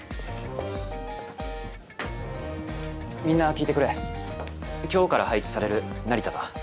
みんな聞いてくれ今日から配置される成田だ。